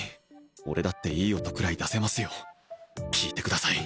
俺だっていい音くらい出せますよ聞いてください